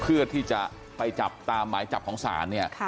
เพื่อที่จะไปจับตามหมายจับของศาลเนี่ย